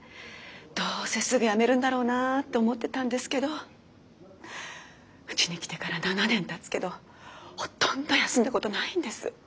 どうせすぐ辞めるんだろうなと思ってたんですけどうちに来てから７年たつけどほとんど休んだことないんです。